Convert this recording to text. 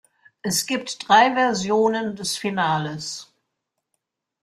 Es gibt drei Versionen des Finales.